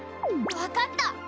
分かった！